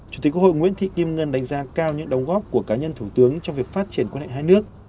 chủ tịch quốc hội nguyễn thị kim ngân đánh giá cao những đóng góp của cá nhân thủ tướng trong việc phát triển quan hệ hai nước